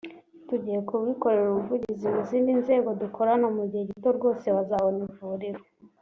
tugiye kubikorera ubuvugizi mu zindi nzego dukorana mu gihe gito rwose bazabona ivuriro”